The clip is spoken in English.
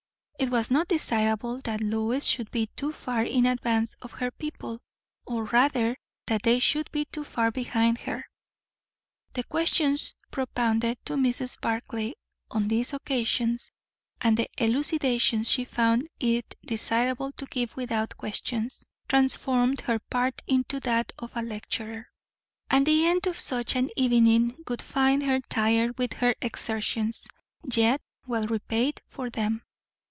It was not desirable that Lois should be too far in advance of her people, or rather that they should be too far behind her. The questions propounded to Mrs. Barclay on these occasions, and the elucidations she found it desirable to give without questions, transformed her part into that of a lecturer; and the end of such an evening would find her tired with her exertions, yet well repaid for them.